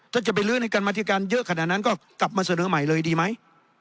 ถ้าจะไปลื้อในการมาธิการเยอะขนาดนั้นก็กลับมาเสนอใหม่เลยดีไหม